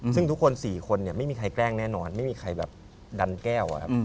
ซึ่งทุกคน๔คนไม่มีใครแกล้งแน่นอนไม่มีใครแบบดันแก้ว